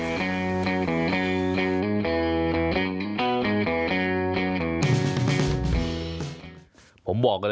มีอย่างไรบ้างครับ